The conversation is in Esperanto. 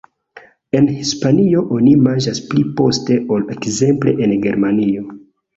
En Hispanio oni manĝas pli poste ol ekzemple en Germanio.